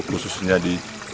khususnya di jumat jumat